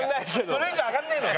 それ以上上がんねえのか。